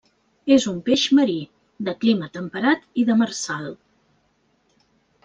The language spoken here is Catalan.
És un peix marí, de clima temperat i demersal.